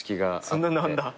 そんなのあんだ。